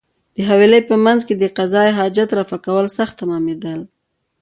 د حویلۍ په مېنځ کې د قضای حاجت رفع کول سخت تمامېدل.